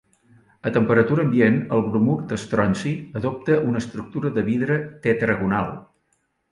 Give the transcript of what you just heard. A temperatura ambient, el bromur d'estronci adopta una estructura de vidre tetragonal.